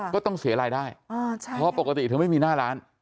ก็ต้องเสียรายได้เพราะปกติเธอไม่มีหน้าร้าน